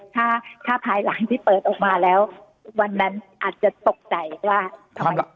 ถ้าถ้าภายหลังที่เปิดออกมาแล้ววันนั้นอาจจะตกใจว่าทำไม